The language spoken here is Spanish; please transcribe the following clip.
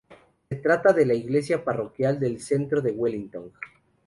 Se trata de la iglesia parroquial del centro de Wellington.